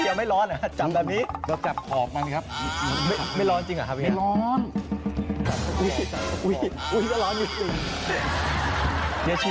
เยอร์ชิมใช่ไหมครับ